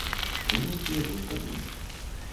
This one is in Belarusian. У вёсцы яго шкадуюць.